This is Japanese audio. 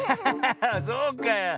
そうかあ。